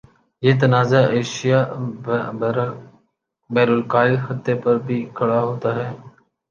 یہ تنازع ایشیا بحرالکاہل خطے پر بھی کھڑا ہوتا ہے